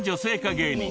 芸人